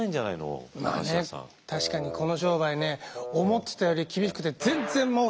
確かにこの商売ね思ってたより厳しくてでしょう。